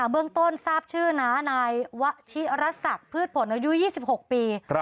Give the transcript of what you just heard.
เบื้องต้นทราบชื่อนะนายวชิรษักพืชผลอายุ๒๖ปี